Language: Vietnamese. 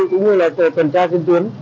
cũng như là tội phần tra xuyên tuyến